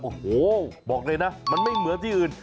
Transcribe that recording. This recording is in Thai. โอ้โหบอกเลยนะมันไม่เหมือนที่อื่น